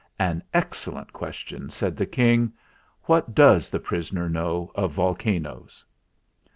"An excellent question," said the King. "What does the prisoner know of volcanoes?"